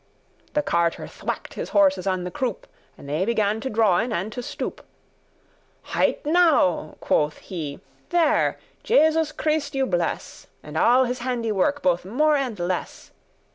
*stop The carter thwack'd his horses on the croup, And they began to drawen and to stoop. "Heit now," quoth he; "there, Jesus Christ you bless, And all his handiwork, both more and less!